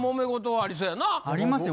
ありますよ。